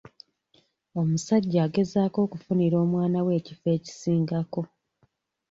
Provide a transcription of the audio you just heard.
Omusajja agezaako okufunira omwana we ekifo ekisingako.